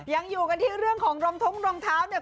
ยังอยู่กันที่เรื่องของรองท้องรองเท้าเนี่ย